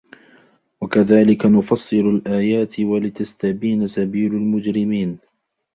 وَكَذَلِكَ نُفَصِّلُ الْآيَاتِ وَلِتَسْتَبِينَ سَبِيلُ الْمُجْرِمِينَ